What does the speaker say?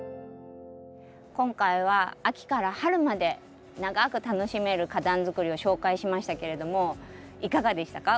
今回は秋から春まで長く楽しめる花壇づくりを紹介しましたけれどもいかがでしたか？